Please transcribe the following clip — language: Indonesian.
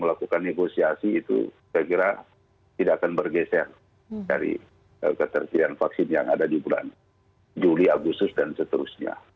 melakukan negosiasi itu saya kira tidak akan bergeser dari ketersediaan vaksin yang ada di bulan juli agustus dan seterusnya